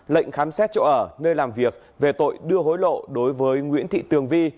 lệnh khám xét chỗ ở nơi làm việc về tội đưa hối lộ đối với nguyễn thị tường vi